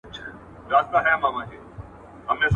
• مېړه مړ که، مړانه ئې مه ورکوه.